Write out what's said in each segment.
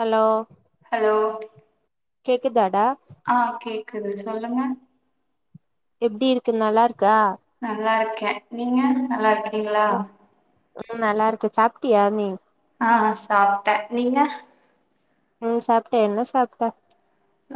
Hello hello கேக்குதாடா ஆ கேக்குது சொல்லுங்க எப்டி இருக்கு நல்லா இருக்கா நல்லாருக்கேன் நீங்க நல்லாருக்கீங்களா ம் நல்லாருக்கோம் சாப்ட்டியா நீ அ அ சாப்ட்டேன் நீங்க ம் சாப்ட்டேன் என்ன சாப்ட்ட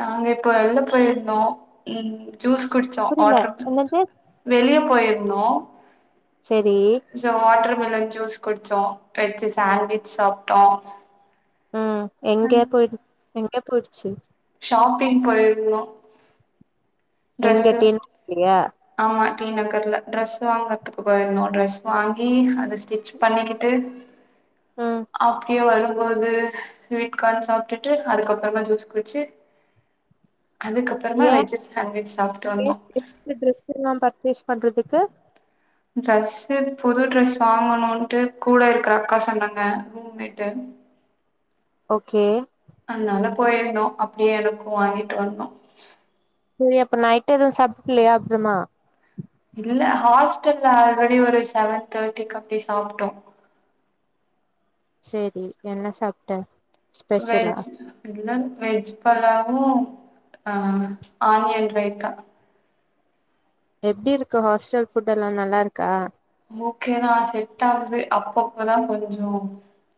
நாங்க இப்ப வெள்ல போய்ருந்தோம் ம் ஜூஸ் குடுச்சோம் புரில வாட்டர் என்னது வெளிய போயிருந்தோம் செரி ஜ்ஜா லாட்டர்மிலன் ஜூஸ் குடிச்சோம் வெஜ்ஜி சண்விச் சாப்ட்டோம் ம் எங்கே போய்டு எங்கே போயிடுச்சு ஷாப்பிங் போயிருந்தோம் எங்க டி நகரா ஆமா டீ நகர்ல ட்ரெஸ் வாங்கத்துக்கு போயிருந்தோம் ட்ரெஸ் வாங்கி அத ஸ்டிச் பண்ணிக்கிட்டு ம் அப்டியே வெள்ல போது ஸ்வீட் கார்ன் சாப்ட்டுட்டு அதுக்கப்பறமா ஜூஸ் குடிச்சு அதுக்கப்பறமா ஏ வெஜ்ஜு சாண்ட்விச் சாப்ட்டு வந்தோம் எல்லாம் பர்சேஸ் பண்றதுக்கு பண்றதுக்கு ட்ரெஸ்ஸு புது ட்ரெஸ் வாங்கணுன்ட்டு கூட இருக்கற அக்கா சொன்னாங்க ரூம் மேட்டு ஓகே அதனால போயிருந்தோம் அப்பிடியே எனக்கும் வாங்கிட்டு வந்தோம் சரி அப்ப நைட்டு எதும் சாப்புல்லையா அப்புறமா இல்ல ஹாஸ்டல்ல ஆல்ரெடி ஒரு செவன் தேர்ட்டிக்கப்டி சாப்ட்டோம் செரி என்ன சாப்ட்ட ஸ்பெஷலா வெஜ் இல்ல வெஜ் புலாவும் அ ஆனியன் ரைத்தா எப்டிருக்கு ஹாஸ்டல் ஃபுட்டல்லா நல்லாருக்கா ஓகே தான் செட்டாவுது அப்பப்பதா கொஞ்சம்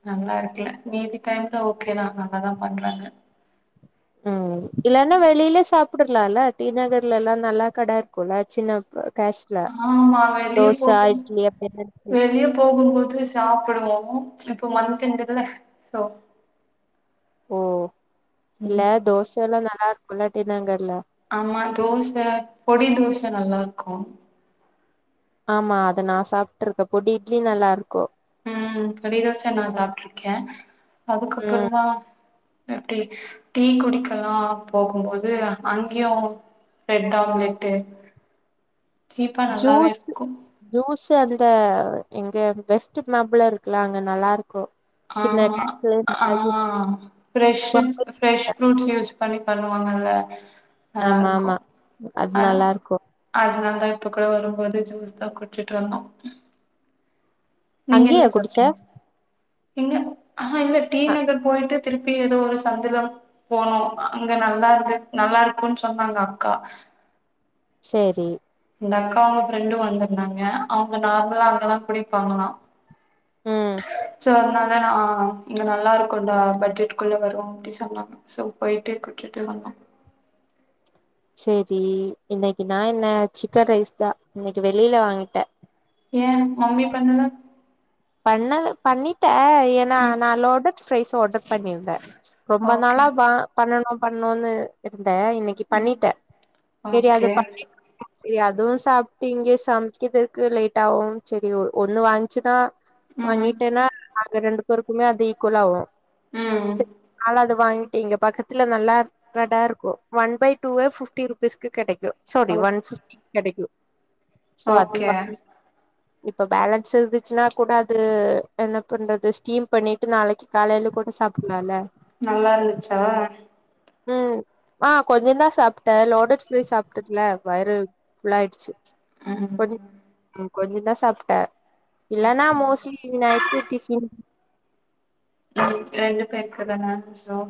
நல்லாருக்கல மீதி டைம்ல ஓகேதான் நல்லாதான் பண்றாங்க ம் இல்லன்னா வெளில சாப்புடலால்ல டீநகர்லலாம் நல்லா கட இருக்குல்ல சின்ன கேஷ்ல ஆமா வெளிய தோச போகும்போ இட்லி அப்டி வெளிய போகும்போது சாப்புடுவோம் இப்ப மந்த் எண்டுல்ல சோ ஓ இல்ல ம் தோசைல்லா நல்லாருக்குல்ல டீ நகர்ல ஆமா தோச பொடி தோச நல்லாருக்கும் ஆமா அத நா சாப்ட்டுருக்க பொடி இட்லி நல்லாருக்கும் ம் பொடிதோச நா சாப்ட்டுருக்கேன் ம் அதுக்கப்பறமா எப்பிடி டீ குடிக்கலாம் போகும்போது அங்கியும் ப்ரெட் ஆம்லெட்டு சீப்பா நல்லாவேருக்கும் ஜூஸு அந்த இங்க வெஸ்ட்டு மாம்பல இருக்குல அங்க நல்லாருக்கு ஆமா ஆ ஃப்ரெஷ்ஷு குடுப்பாங்க. ப்ரெஷ் ஃப்ரூட் ஜூஸ் பண்ணி பண்ணுவாங்கல்ல ஆமா நல்லாருக்கு ஆமா அது நல்லா இருக்கு அதுனாலதா இப்ப கூட வரும்போது ஜூஸ்தா குச்சுட்டு வந்தோ நீங்க அங்கயா என்ன குடிச்ச சாப்ட்டீங்க இங்க அ இல்ல டீ அ நகர் போயிட்டு திருப்பி ஏதோ ஒரு சந்துல போனோ அங்க நல்லார்க்கு நல்லாருக்குன் சொன்னாங்க அக்கா சேரி இந்தக்கா அவுங்க ஃப்ரெண்டு வந்துருந்தாங்க அவுங்க நார்மலா அங்கதா குடிப்பாங்களா ம் சோ அதுனால நா இங்க நல்லாருக்குண்டா பட்ஜெட்க்குள்ள வரு அப்டி சொன்னாங்க சோ போயிட்டு குட்ச்சுட்டு வந்தோ சேரி இன்னைக்கு நா என்ன சிக்கன் ரைஸ் தா‌ இன்னைக்கு வெளியில வாங்கிட்டே ஏ மம்மி பண்ணல பண்ணல பண்ணிட்டே எப் நா ம் நா லோடட் பிரைஸ் ஆர்டர் பண்ணிருந்தே ரொம்ப ஓகே நாளா வா பண்ணணு பண்ணுனு இருந்தே இன்னைக்கி ம் பண்ணிட்டே செரி அது ஓகே பண்ண செரி அதுவு சாப்டு இங்க சம்க்கிது இருக்கு லேட் ஆகு செரி ஒண்ணு வன்ச்சுனா ம் வாங்கிட்டேனா அங்க ரெண்டு பேருக்குமே அது ஈக்குவல் ஆவு ம் ம் அல அது வாங்கிட்டீங் இங்க பக்கத்துல நல்லா இர் கடா இருக்கு ஒன் பை டூவே பிப்டி ருபீஸ்க்கு கெடைக்கு சாரி ஓ ஒன் பிப்டி கெடைக்கு சோ அது ஓகே வந்து இப்ப பேலன்ஸ் இருந்துச்சுனா கூட அது என்ன பண்றது ஸ்டீம் பண்ணி து நாளைக்கி காலைல கூட சாப்ட்லால நல்லா இருந்துச்சா ம் ஆ கொஞ்சந்தா சாப்ட லோடட் ஃப்ரை சாப்டதுல வயிறு புல்லாயிடுச்சு ம் கொஞ் கொஞ்சந்தா சாப்ட இல்லனா மோஸ்ட்லி நைட்டு டிபன் ரெண்டு பேருக்குதானா சோ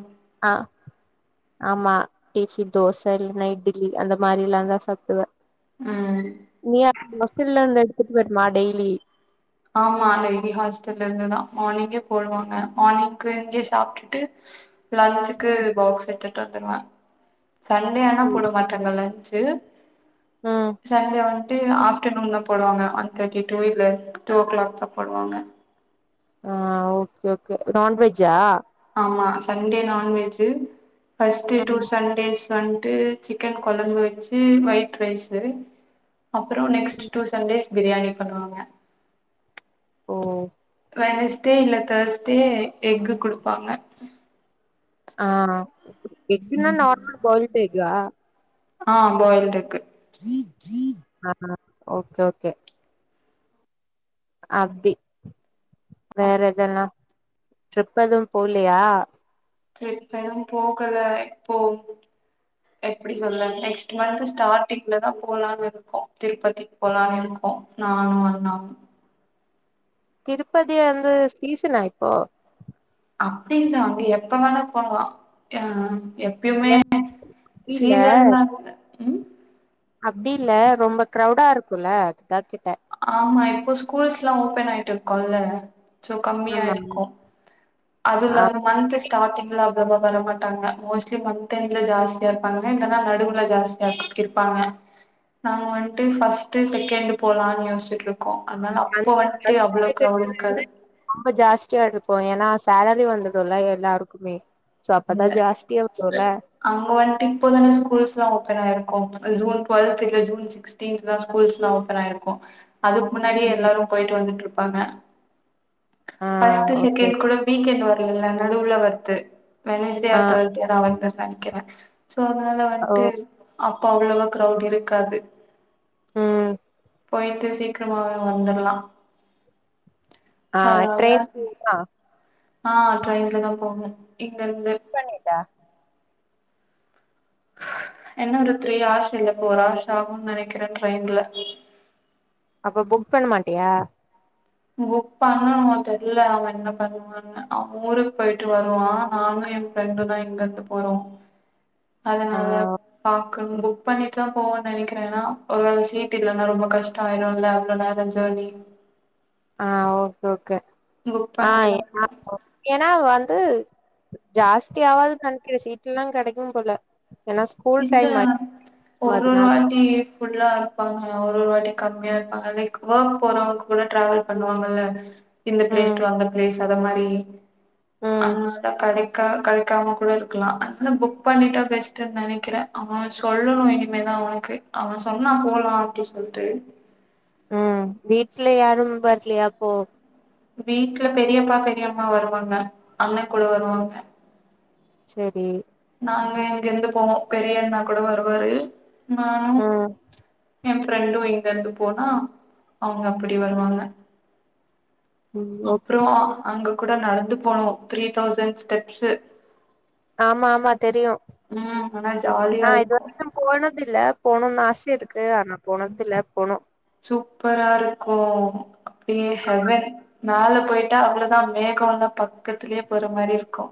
ஆ ஆமா டிசி தோச இல்லனா இட்லி அந்த மாறில்லா தா சாப்டுவ ஆ நீயா ஹாஸ்டல்ல வந்து எடுத்துட் வருமா டெய்லி ஆமா டெய்லி ஹாஸ்டல்ல இருந்துதா மார்னிங்கே போடுவாங்க மார்னிங்கு இங்யே சாப்டுட்டு லன்சுக்கு ம் பாக்ஸ் எட்டுட் வந்துருவே சண்டே ஆனா ம் போட மாட் டாங்க லன்ச்சு ம். சண்டே வன் ட்டு ஆஃப்டனுன் தா போடுவாங்க ஒன் தேர்டி டூ‌ இல்ல டூ ஓ கிளாக் தா போடுவாங்க ஆ ஒகே ஒகே நான்வெஜ்ஜா ஆமா சண்டே நான்வெஜ்ஜு பஸ்டு டூ ம் சண்டேஸ் வன்டு சிக்கன் கொழம்பு வெச்சு ஒயிட் ரைஸு அப்ற next two Sundays biryani பண்ணுவாங்க ஓ வெனஸ்டே இல்ல தேர்ஸ்டே எக்கு குடுப்பாங்க ஆ எக்குனா நார்மல் ஃபாய்ல்ட்டு எக்கா ஆ பாயில்டெக்கு ஆ ஓகே ஓகே அப்டி வேற எதெல்லா ட்ரிப் எதும் போலையா டிரிப் எதும் போகல இப்போ எப்டி சொல்ல நெக்ஸ்ட் மந்த் ஸ்டார்டிங்ல தா போலான்னு இருக்கோ திருப்பதி போலானு இருக்கோ நானு அண்ணாவு திருப்பதி வந்து சீசனா இப்போ அப்டி இல்ல அங்க எப்ப வேணா போலா ஆ எப்பயுமே ஏன் அப்டி இல்ல சீசன்லா ம் அப்டி இல்ல ரொம்ப கிரௌடா இருக்குல்ல அதுதா கேட்ட ஆமா இப்போ ஸ்கூல்ஸ்ல்லா ஓப்பன் ஆயிட்டு இருக்கும்ல்ல சோ கம்மியா ஆமா இருக்கு அதுல ஆ இல்லாம மந்துஸ் ஸ்டாரிங்ல அவ்ளவா வரமாட்டாங்க மோஸ்லி மந்த் எண்ட்ல ஜாஸ்தியா இருப்பாங்க இல்லன்னா நடுவுல ஜாஸ்தியா இருப்பா இருப்பாங்க நாங்க வந்துட்டு ஃபர்ஸ்ட் செகண்ட் போலாம்னு யோசிச்சிட்டு இருக் க்கு அதனால அப்ப அந்த வந்துட்டு பஸ் அவ்ளோ டிக்கெட் கிரௌட் இருக்காது வந்து ரொம்ப ஜாஸ்தியா இருப்போ ஏனா சேலரி வந்துடும்ல எல்லாருக்குமே சோ அப்பதா இல்ல ஜாஸ்தியா வருல்ல அங்க வந்துட்டு இப்போதான ஸ்கூல்ஸ் எல்லா ஓப்பன் ஆயிருக்கு ஜூன் டுவெல்த் இல்ல ஜூன் சிக் ஸ்டீத்தா ஸ்கூல்லா ஓப்பன் ஆயிருக்கு அதுக்கு முன்னாடியே ம் எல்லாரு போயிட்டு வந்துட்டு இருப்பாங்க ஆ ஃபர்ஸ்டு ஓகே செகண்ட் கூட வீக்எண்ட் வரலல்ல நடுவுல வருது வெனஸ்டே ஆ ஆர் தேஸ் டேல வருதுனு நெனக்கிறே சோ அதனால ஓ வந்துட்டு அப்ப அவ்ளோவா கிரௌட் இருக்காது ம் போயிட்டு சீக்கிரமாவே வந்தர்லா ஆ அதனால ட்ரெயின் டிக்கெட்லாம் ஆ ட்ரெயின்ல தா போணு இங்க இருந்து பண்ணிட்டா என்ன ஒரு த்ரீ ஆவர்ஸ் போர ஆவர்ஸ் ஆகும்ன்னு நெனக்கிறே ட்ரெயின்ல அப்ப புக் பண்ண மாட்டியா புக் பண்ணுவனு தெரில அவ என்ன பண்ணுவானு அவ ஊருக்கு போயிட்டு வருவா நானு என் ஃப்ரெண்டு தா இங்க இருந்து போறோ அதனால ஆ பாக்கனு புக் பண்ணிட்டு தா போவோன்னு நெனக்கிறே ஏனா ஒரு வேல சீ்ட் இல்லன்னா ரொம்ப கஷ் ஆயிரு இல்ல அவ்ளோ நேரம் ஜர்னி ஆ ஓகே ஓகே புக் ஆ பண்ணிட்டு தா என்னா போனு ஏனா வந்து ஜாஸ்தி ஆவாதுன்னு நெனக்கிற சீட்ல எலா கெடைக்கு போல ஏன்னா ஸ்கூல் விசித்தா டைம் ஆயிடுச்சு ஒரு அதனால வாட்டி புல்லா இருப்பாங்க ஒரு ஒரு வாட்டி கம்மியா இருப்பாங்கல லைக் ஒர்க் போறவங்க கூட டிராவல் பண்ணுவாங்கல்ல இந்த பிளேஸ் ம் அந்த பிளேஸ் அந்த மாரி ம் அதால கடைக்க கடை க்காம கூட இருக்கலா ஆனா ஃபுக் பண்ணிட்டா பெஸ்ட்னு தானே க்கிற அவ சொல்லணு இனிமேதா அவனுக்கு அவ சொன்னா போலா அப்டி சொல்ட்டு ம் வீட்ல யாரும் வரலயா அப்போ வீட்ல பெரியப்பா பெரியம்மா வருவாங்க அண்ணன் கூட வருவாங்க சேரி நாங்க இங்கிருந்து போவோ பெரியண்ணா கூட வருவாரு நானு ம் எ ஃப்ரெண்டு இங்க இருந்து போனா அவுங்க அப்டி வருவாங்க ம் ஓகே அப்றோ அங்க கூட நடந்து போனோ த்ரீ தௌசண்ட் ஸ்டெப்ஸ்சு ஆமா ஆமா தெரியு ம் ஆனா ஜாலியா நா இது இருக்கு வரைக்கு போனதுல்ல போணுனு ஆசைய இருக்கு ஆனா போனதுல்ல போனு சூப்பரா இருக்கு அப்டியே ஹெவன் மேல போயிட்டா அவ்ள தா மேக லா பக்கத்துலே போற மாரி இருக்கு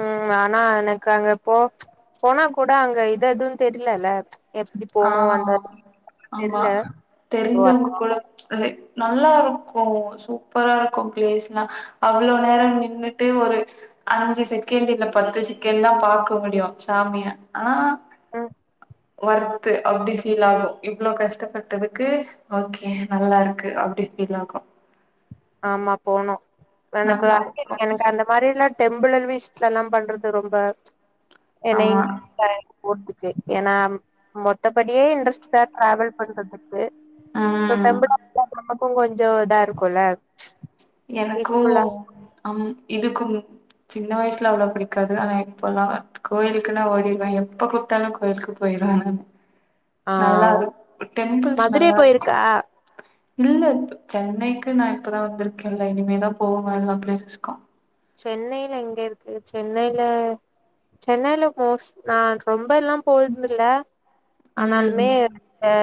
ம் ஆனா எனக்கு அங்க போ போனா கூட அங்க இது அதுன்னு தெர்ல ல ஆ ஆமா தெர்ல தெரிஞ்சவங்க குல அ நல்லா இருக்கு சூப்பரா இருக்கு பிளேஸ்லா அவ்ளோ நேரஃ நின்னுட்டு ஒரு அஞ்சு செகண்ட் இல்ல பத்துசெகண்ட் தா பாக்க முடியு சாமிய ஆனா அ வர்த்து அப்டி ஃபீல் ஆகு இவ்ளோ கஷ்டப்பட்டதுக்கு ஓகே நல்லா இருக்கு அப்டி ஃபீல் ஆகு ஆமா போனு எனக்கு நல்லா இருக்கு [inaudible] எனக்கு அந்த மாரி எல்லா டெம்பிளல் வீஸிட்ல்லா பண்றது ரொம்ப என்னை ஆமா போறதுக்கு ஏன்னா மொத்தபடியே இன்ட்ரெஸ்ட் தா டிராவல் பண்றதுக்கு ப்பு இப்ப ம் டெம்பிளா நமக்கும் கொஞ்சோ இதா இருக்குல்ல எனக்கு பீஸ்ஃபுல்லா ஆ இதுக்கு சின்ன வயசுல அவ்ள புடிக்காது ஆனா இப்பல்லா கோயிலுக்குன்னா ஓடிருவ எப்ப கூப்ட்டாலு கோயிலுக்கு போய்றா ஆ டெம்பிள்ஸ் மதுரை நல்லா இருக்கு போயிருக்கா இல்ல இப்ப சென்னைக்கு நா இப்பதா வந்திருக்கேல்ல இனிமேதா போவ எல்லா பிளேசஸ்க்கு சென்னைல எங்க இருக்கு சென்னைல சென்னைல மோஸ் நா ரொம்ப எல்லா போன்துல்ல ஆனாலுமே ம் ஆ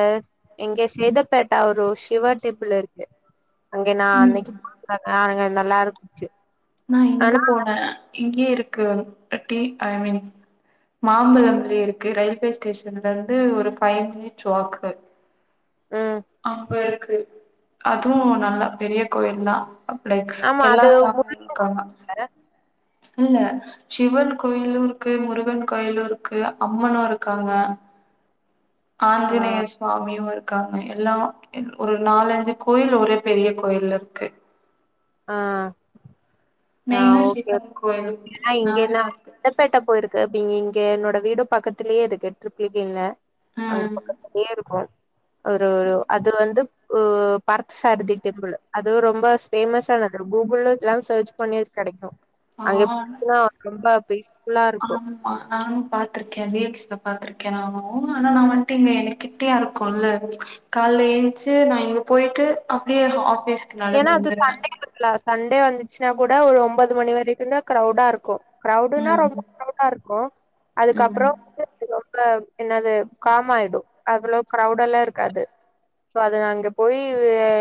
எங்க சேதப்பேட்டா ஒரு ஷிவா டெம்பிள் இருக்கு அங்கே நா அன்னைக்கு போனனா அங்க நல்லா இருந்துச்சு நா இங்க ஆனா போன இங்கயே இருக்கு ரட்டி ஐ மீன் மாம்பழம்ல இருக்கு ரயில்வே ஸ்டேஷன்ல இருந்து ஒரு ஃபைவ் மினிட்ஸ் வாக்கு ம் அங்க இருக்கு அதுவு நல்லா பெரிய கோயில்தா அப்டிக் ஆமா அது எல்லா சாமியு இருக்காங்க முழுக்க இல்ல சிவன் கோயிலூ இருக்கு முருகன் கோயிலூ இருக்கு அம்மனு இருக்காங்க ஆ ஆஞ்சினேஷ் சாமியு இருக்காங்க எல்லா ஒரு நாலஞ்சு கோயில் ஒரே பெரிய கோயில் இருக்கு அ மெயினா ஷிவன் கோவில் [unintelligible] பேட்டா போயிருக்கு அப்பங்க இங்க என்னோட வீடு பக்கத்திலேயே இருக்கு ட்ரிப்லிகேன்ல அங்க ம் பக்கத்து ஏ இருக்கு ஒரு ஒரு அது வந்து பார்த்த சாரதி டெம்பிள் அதுவு ரொம்ப ஃபேமஸ் சானது கூகுள் எல்லா சர்ச் பண்ணி கெடைக்கு அங் [inaudible] ச்சுன்னா ரொம்ப இருக்கு ஆம் நானு பாத்துருக்க வீ எக்ஸ் ல பாத்திருக்க நானு ஆனா நா வன்ட்டீங்க எனக்கிட்டயா இருக்குல்ல கால ஏஞ்ச்சு நா இங்க போய்ட்டு அப்டியே ஆஃபீஸ்க்கு நடந்து ஏன்னா அது வந்துருவே சண்டே இருக்குலா சண்டே வந்துச்சுன்னா கூட ஒரு ஒன்பது மணி வரைக்குதா க்ரௌடா இருக்கு க்ரௌடுன்னா ரொம்ப ம் க்ரௌடா இருக்கு அதுக்கப்புறோ ம் [unintelligible] ரொம்ப என்னது காமாயிடு அவ்ளோ க்ரௌடெல்லா இருக்காது சோ அது நா அங்க போய்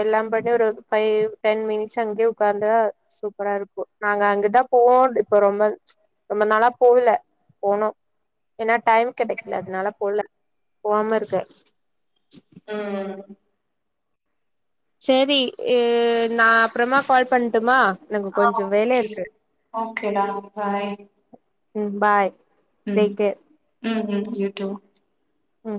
எல்லா பண்ணி ஒரு ஃபைவ் டென் மினிட்ஸ் அங்கே ஒக்காந்து சூப்பரா இருக்கு நாங்க அங்கதா போவோ இப்ப ரொம்ப ரொம்ப நாளா போகல போனு ஏனா டைம் கெடைக்கல அதனால போல போவாம இருக்க ம் ம் சேரி அ நா அப்புறமா கால் பண்ட்டுமா ஆ ஓகே ஓகே டா பாய் ம் பாய் ம் டேக் கேர் ம் ம் யூட்டூ ம்